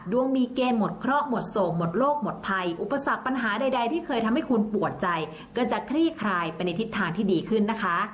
ดวงมีเกณฑ์หมดเคราะห์หมดโศกหมดโลกหมดภัยอุปสรรคปัญหาใดที่เคยทำให้คุณปวดใจก็จะคลี่คลายไปในทิศทางที่ดีขึ้นนะคะ